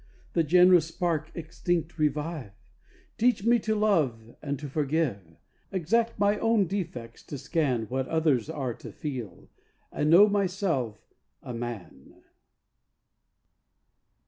The generous spark extinct revive, Teach me to love and to forgive, Exact my own defects to scan, What others are to feel, and know myself a Man.